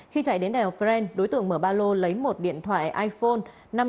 khi chạy đến đèo crane đối tượng mở ba lô lấy một điện thoại iphone